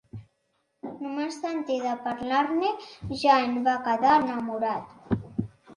Només de sentir parlar-ne ja en va quedar enamorat.